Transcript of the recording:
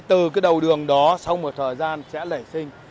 từ cái đầu đường đó sau một thời gian sẽ lẩy sinh